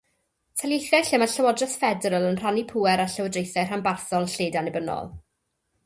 Taleithiau lle mae'r llywodraeth ffederal yn rhannu pŵer â llywodraethau rhanbarthol lled-annibynnol.